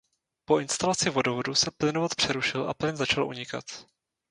Po instalaci vodovodu se plynovod přerušil a plyn začal unikat.